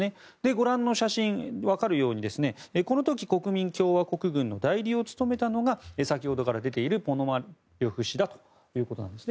ご覧の写真、分かるようにこの時、国民共和国軍の代理を務めたのが先ほどから出ているポノマリョフ氏ということです。